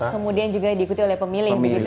kemudian juga diikuti oleh pemilih